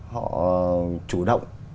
họ chủ động